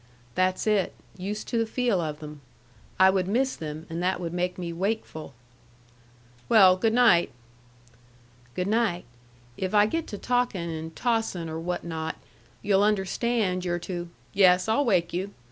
"That's it. Used to the feel of them. I would miss them, and that would make me wakeful." "Well, good night." "Good night. If I get to talkin' and tossin', or what not, you'll understand you're to " "Yes, I'll wake you."